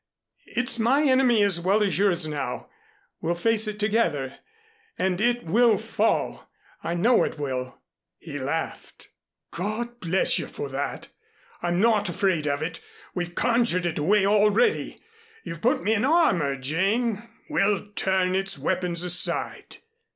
It's my Enemy as well as yours now. We'll face it together and it will fall. I know it will." He laughed. "God bless you for that. I'm not afraid of it. We've conjured it away already. You've put me in armor, Jane. We'll turn its weapons aside."